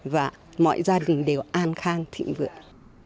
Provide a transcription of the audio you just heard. và mọi gia đình đều an khang thịnh vượng